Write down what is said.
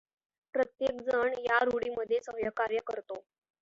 प्रत्येकजण ह्या रूढीमध्ये सहकार्य करतो.